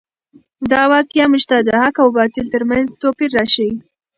دا واقعه موږ ته د حق او باطل تر منځ توپیر راښیي.